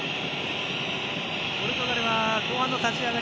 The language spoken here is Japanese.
ポルトガルは、後半の立ち上がり